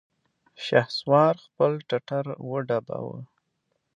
شهسوار خپل ټټر وډباوه!